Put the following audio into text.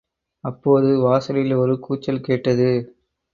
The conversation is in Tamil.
அப்போது – வாசலில் ஒரு கூச்சல் கேட்டது.